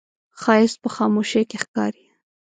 ښایست په خاموشۍ کې ښکاري